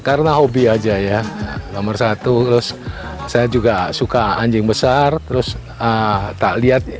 karena hobi aja ya nomor satu terus saya juga suka anjing besar terus tak lihat